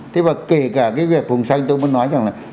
thế mà kể cả cái việc vùng xanh tôi mới nói rằng là